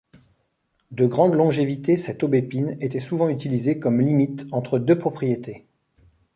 De grande longévité cette aubépine était souvent utilisée comme limite entre deux propriétés.